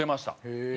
へえ！